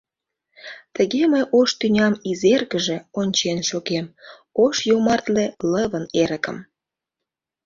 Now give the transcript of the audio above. Тыге мый ош тӱнян изергыже, Ончен шогем, Ош йомартле лывын эрыкым.